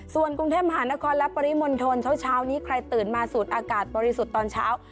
ส่วนกรุงเทพมหานครและปริมณฑลเช้านี้ใครตื่นมาสูดอากาศบริสุทธิ์ตอนเช้า